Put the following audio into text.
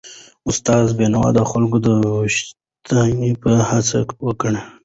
استاد بینوا د خلکو د ویښتابه هڅه وکړه.